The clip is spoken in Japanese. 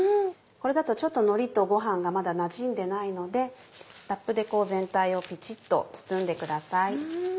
これだとちょっとのりとご飯がまだなじんでないのでラップでこう全体をピチっと包んでください。